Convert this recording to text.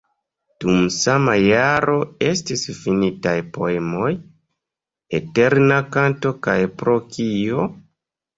Dum sama jaro estis finitaj poemoj "Eterna kanto" kaj "Pro kio?".